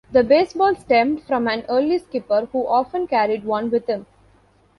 The baseball stemmed from an early skipper who often carried one with him.